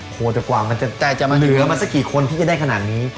โคโทกว่ามันจะเหลือมาสักกี่คนจนที่จะได้ขนาดนี้